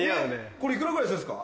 これ幾らぐらいですか？